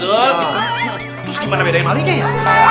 terus gimana bedain maliknya ya